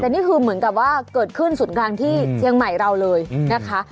แต่นี่คือเหมือนกับว่าเกิดขึ้นศูนย์กลางที่เชียงใหม่เราเลยนะคะ